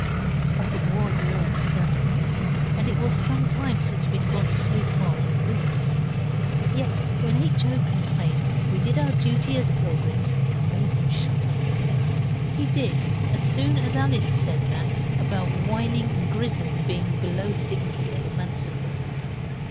But it WAS warm certainly, and it was some time since we'd gone so far in boots. Yet when H. O. complained we did our duty as pilgrims and made him shut up. He did as soon as Alice said that about whining and grizzling being below the dignity of a Manciple.